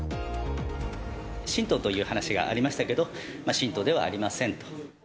信徒という話がありましたけれども、信徒ではありませんと。